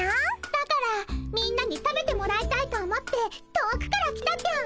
だからみんなに食べてもらいたいと思って遠くから来たぴょん。